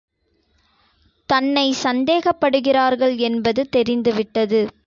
தன்னை சந்தேகப்படுகிறார்கள் என்பது தெரிந்துவிட்டது